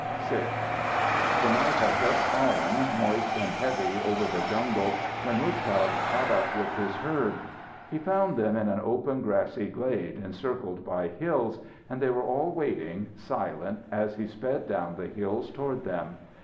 VI The night had just fallen, moist and heavy over the jungle, when Muztagh caught up with his herd. He found them in an open grassy glade, encircled by hills, and they were all waiting, silent, as he sped down the hills toward them.